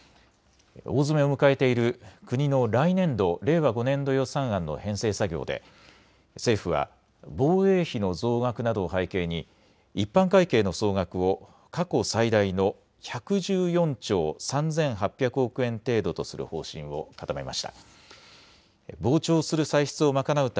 大詰めを迎えている国の来年度・令和５年度予算案の編成作業で政府は防衛費の増額などを背景に一般会計の総額を過去最大の１１４兆３８００億円程度とする方針を固めました。